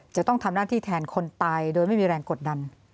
จะต้องทำหน้าที่แทนคนตายโดยไม่มีแรงกดดัน